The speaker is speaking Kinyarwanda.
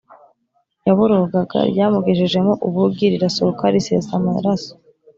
Yaborogaga ryamugejejemo ubugi rirasohoka risesa amaraso,